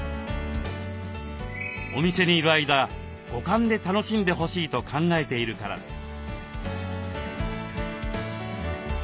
お店にいる間五感で楽しんでほしいと考えているからです。